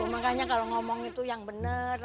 tuh makanya kalau ngomong itu yang bener